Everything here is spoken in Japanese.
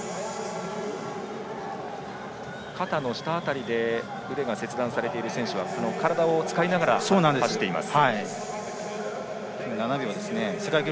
肩の下辺りで腕が切断されている選手は体を使いながら走っています。